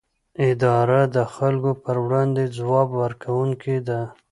اداره د خلکو پر وړاندې ځواب ورکوونکې ده.